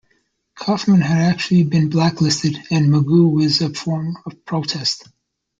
Kaufman had actually been blacklisted, and Magoo was a form of protest.